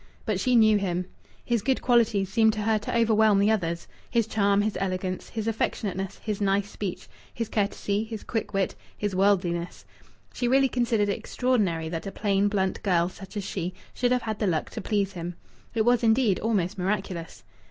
But she knew him. His good qualities seemed to her to overwhelm the others. His charm, his elegance, his affectionateness, his nice speech, his courtesy, his quick wit, his worldliness she really considered it extraordinary that a plain, blunt girl, such as she, should have had the luck to please him. It was indeed almost miraculous.